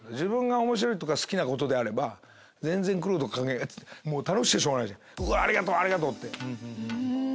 面白いとか好きなことであれば全然苦労とか関係ないから楽しくてしょうがないじゃんありがとうありがとう！って。